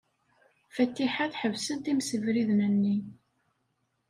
Fatiḥa teḥbes-d imsebriden-nni.